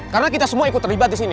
karena kita semua ikut terlibat di sini